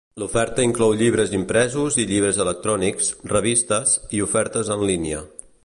L'oferta inclou llibres impresos i llibres electrònics, revistes i ofertes en línia.